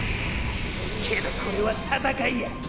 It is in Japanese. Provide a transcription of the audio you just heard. けどこれは戦いや！